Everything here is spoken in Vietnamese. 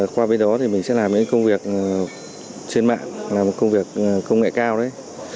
qua với đó thì mình sẽ làm những công việc trên mạng làm một công việc công nghệ cao đấy